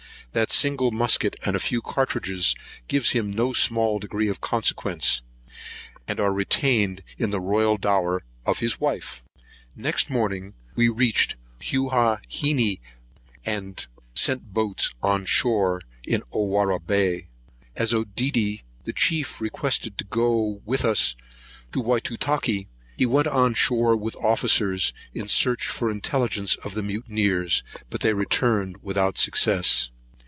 That single musket, and a few cartridges, gives him no small degree of consequence, and are retained as the royal dower of his wife. Next morning we reached Huaheine, and sent the boats on shore in Owharre Bay. As Oedidy the chief requested to go with us to Whytutakee, he went on shore with the officers, in their search for intelligence of the mutineers; but they returned without success.